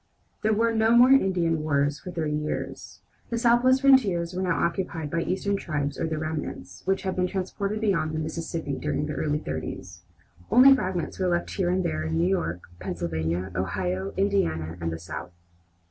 There were no more Indian wars for thirty years. The Southwest frontiers were now occupied by eastern tribes or their remnants, which had been transported beyond the Mississippi during the early thirties. Only fragments were left here and there, in New York, Pennsylvania, Ohio, Indiana, and the South.